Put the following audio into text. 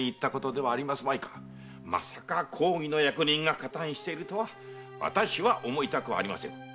まさか公儀の役人が加担しているとは私は思いたくありませぬ。